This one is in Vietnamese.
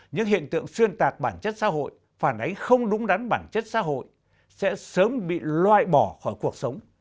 những hiện tượng xuyên tạc bản chất xã hội phản ánh không đúng đắn bản chất xã hội sẽ sớm bị loại bỏ khỏi cuộc sống